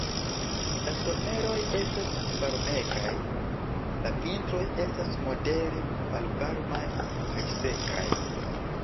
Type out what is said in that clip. La someroj estas varmegaj, la vintroj estas modere malvarmaj kaj sekaj.